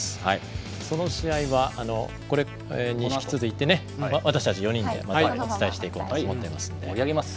その試合はこれに引き続いてね私たち４人でお伝えしていこうと思っています。